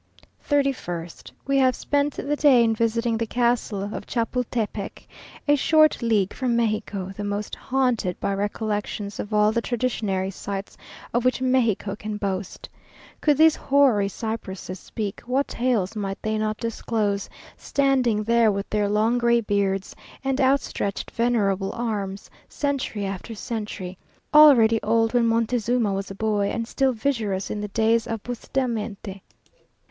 3ist. We have spent the day in visiting the castle of Chapultepec, a short league from Mexico, the most haunted by recollections of all the traditionary sites of which Mexico can boast. Could these hoary cypresses speak, what tales might they not disclose, standing there with their long gray beards, and outstretched venerable arms, century after century: al ready old when Montezuma was a boy, and still vigorous in the days of Bustamante!